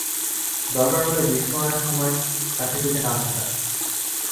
দরকার হল বিস্ফোরণের সময় কাছেপিঠে না থাকা।